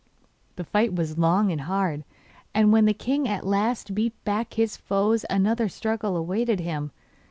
The fight was long and hard, and when the king at last beat back his foes another struggle awaited him.